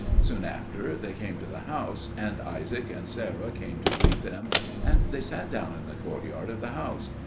Soon after they came to the house, and Isaac and Sarah came to greet them, and they sat down in the courtyard of the house.